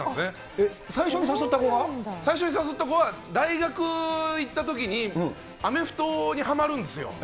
えっ、最初に誘った子は、大学行ったときに、アメフトにはまるんですよ。